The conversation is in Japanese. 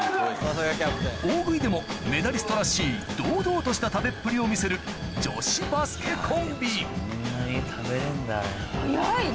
・大食いでもメダリストらしい堂々とした食べっぷりを見せる女子バスケコンビ早い。